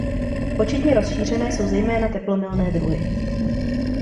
Početně rozšířené jsou zejména teplomilné druhy.